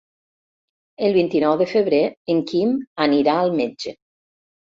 El vint-i-nou de febrer en Quim anirà al metge.